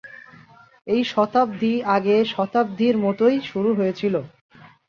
এই শতাব্দী আগের শতাব্দীর মতোই শুরু হয়েছিল।